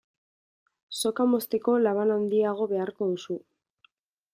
Soka mozteko laban handiago beharko duzu.